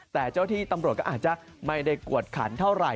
แต่เจ้าที่ตำรวจก็อาจจะไม่ได้กวดขันเท่าไหร่